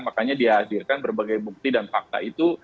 makanya dihadirkan berbagai bukti dan fakta itu